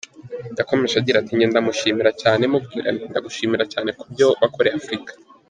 Yakomeje agira ati ” Njye ndamushimira cyane, mubwira nti ‘Ndagushimira cyane kubyo wakoreye Afurika’.